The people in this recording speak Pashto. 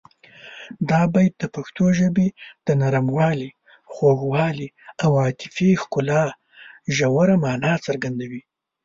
دا بیت د پښتو ژبې د نرموالي، خوږوالي او عاطفي ښکلا ژوره مانا څرګندوي.